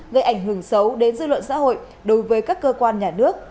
gây ảnh hưởng xấu đến dư luận xã hội đối với các cơ quan nhà nước